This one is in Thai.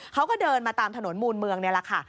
เขาก็เดินมาตามถนนมูลเมืองนี่แหละค่ะ